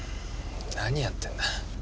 何やってんだ？